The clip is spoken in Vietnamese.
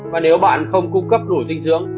và nếu bạn không cung cấp đủ dinh dưỡng